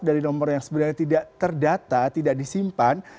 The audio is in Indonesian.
dari nomor yang sebenarnya tidak terdata tidak disimpan